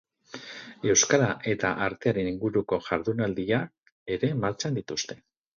Euskara eta artearen inguruko jardunaldiak ere martxan dituzte.